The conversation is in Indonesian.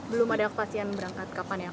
belum ada kepatian berangkat